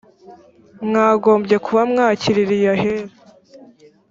mwagombye kuba mwakiririye ahera